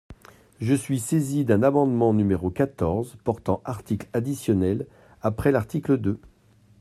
Je suis saisie d’un amendement, numéro quatorze, portant article additionnel après l’article deux.